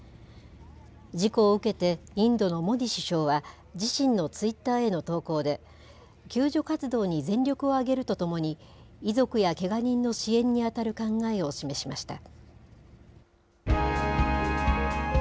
事故を受けて、インドのモディ首相は、自身のツイッターへの投稿で、救助活動に全力を挙げるとともに、遺族やけが人の支援に当たる考えを示しました。